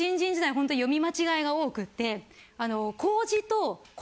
ほんと読み間違いが多くて。